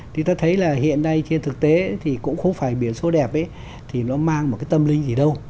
tôi thấy là hiện nay trên thực tế thì cũng không phải biển số đẹp ấy thì nó mang một cái tâm linh gì đâu